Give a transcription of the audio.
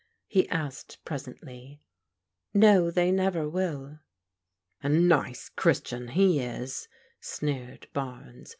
" he asked, presently. " No, they never will." " A nice Qiristian he is," sneered Barnes.